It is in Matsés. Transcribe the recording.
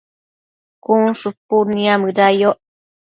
cun shupud niamëda yoc